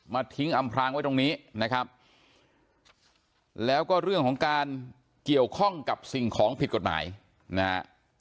ทิ้งอำพรางไว้ตรงนี้นะครับแล้วก็เรื่องของการเกี่ยวข้องกับสิ่งของผิดกฎหมายนะฮะ